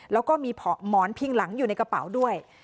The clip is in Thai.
แล้วก็มีหมอนพิงหลังอยู่ในกระเป๋าด้วย